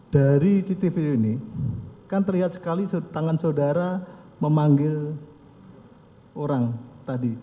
dari cctv ini kan terlihat sekali tangan saudara memanggil orang tadi